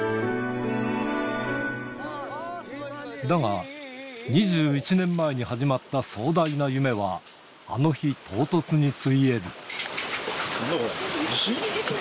だが、２１年前に始まった壮大な夢は、あの日、なんだこれ？